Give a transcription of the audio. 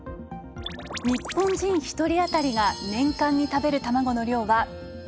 日本人一人あたりが年間に食べる卵の量は３４０個。